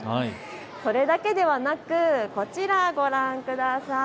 それだけではなくこちらご覧ください。